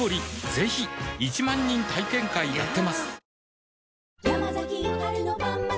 ぜひ１万人体験会やってますはぁ。